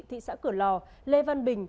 thị xã cửa lò lê văn bình